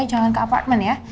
jangan ke apartemen ya